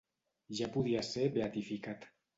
Ja podia ser beatificat.